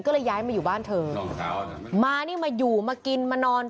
ก็เลยย้ายมาอยู่บ้านเธอมานี่มาอยู่มากินมานอน